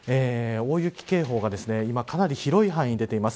大雪警報が今かなり広い範囲で出ています。